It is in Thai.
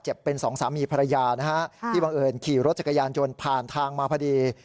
เป็นสองสามีภรรยานะฮะที่บังเอิญขี่รถจักรยานยนต์ผ่านทางมาพอดี